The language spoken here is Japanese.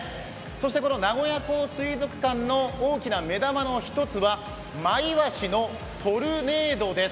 この名古屋港水族館の大きな目玉の一つは、マイワシのトルネードです。